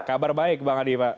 kabar baik bang adi